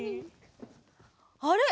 あれ？